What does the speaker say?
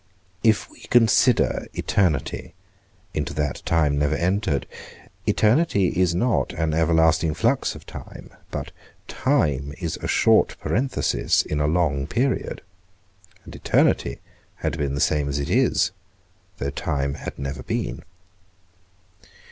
If we consider eternity, into that time never entered; eternity is not an everlasting flux of time, but time is a short parenthesis in a long period; and eternity had been the same as it is, though time had never been.